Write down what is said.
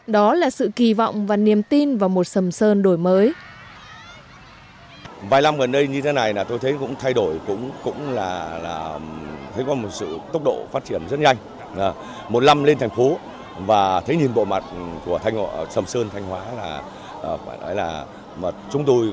đó là sự kỳ vọng và niềm tin vào một sầm sơn đổi mới